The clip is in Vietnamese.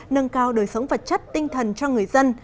nâng cao đời sống vật chất tinh thần cho người dân